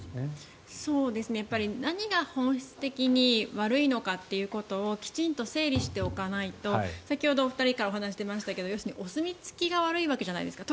何が本質的に悪いのかということをきちんと整理しておかないと先ほどお二人から話が出ましたけれど要するにお墨付きが悪いじゃないですか。